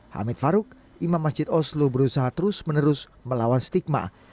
hamid faruk imam masjid oslo berusaha terus menerus melawan stigma